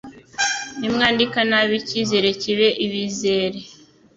nimwandika nabi iKIzere kibe iBIzere,